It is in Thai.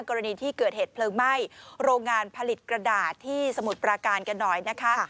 กรณีที่เกิดเหตุเพลิงไหม้โรงงานผลิตกระดาษที่สมุทรปราการกันหน่อยนะคะ